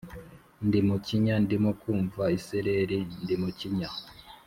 ndi mukinya, ndimo kumva isereri ndi mukinya,